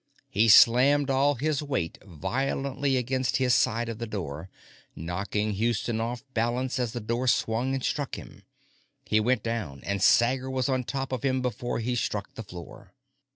He slammed all his weight violently against his side of the door, knocking Houston off balance as the door swung and struck him. He went down, and Sager was on top of him before he struck the floor.